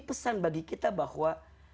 pesan bagi kita bahwa